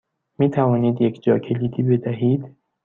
می توانید یک جاکلیدی بدهید؟